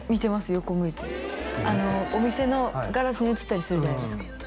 横向いてお店のガラスに映ったりするじゃないですか